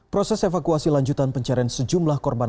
proses evakuasi lanjutan pencarian sejumlah korban